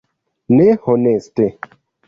Ne honeste!